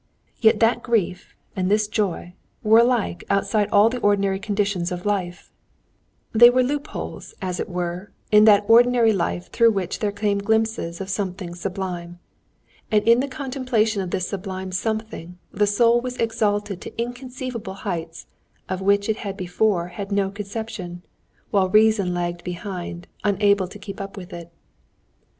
Yet that grief and this joy were alike outside all the ordinary conditions of life; they were loop holes, as it were, in that ordinary life through which there came glimpses of something sublime. And in the contemplation of this sublime something the soul was exalted to inconceivable heights of which it had before had no conception, while reason lagged behind, unable to keep up with it.